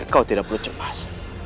kau tidak perlu cepat